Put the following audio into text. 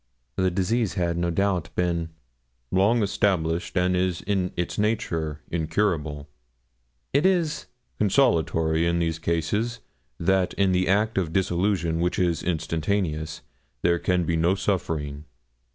The disease had, no doubt, been 'long established, and is in its nature incurable.' It is 'consolatory in these cases that in the act of dissolution, which is instantaneous, there can be no suffering.'